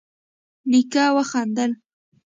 نيکه وخندل: